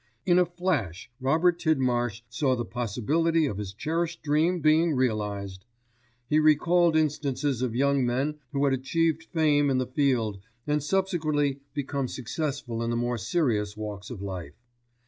In a flash Robert Tidmarsh saw the possibility of his cherished dream being realised. He recalled instances of young men who had achieved fame in the field and subsequently become successful in the more serious walks of life.